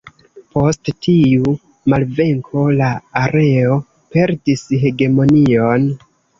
Post tiu malvenko la areo perdis hegemonion.